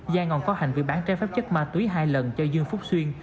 giang còn có hành vi bán trái phép chất ma túy hai lần cho dương phúc xuyên